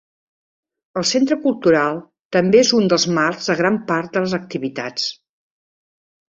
El centre cultural també és un dels marcs de gran part de les activitats.